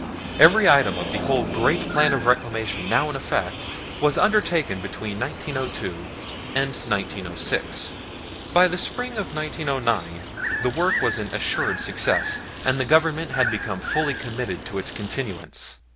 Every item of the whole great plan of Reclamation now in effect was undertaken between 1902 and 1906. By the spring of 1909 the work was an assured success, and the Government had become fully committed to its continuance.